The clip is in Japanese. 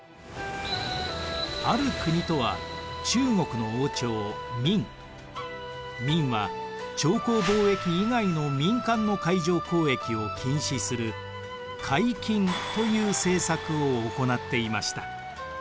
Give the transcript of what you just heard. ある国とは中国の王朝明は朝貢貿易以外の民間の海上交易を禁止する海禁という政策を行っていました。